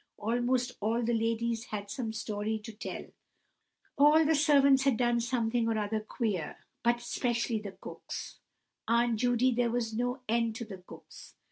Almost all the ladies had some story to tell—all the servants had done something or other queer—but especially the cooks, Aunt Judy, there was no end to the cooks.